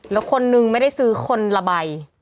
แล้วคนนึงไม่ได้ซื้อคนละใบ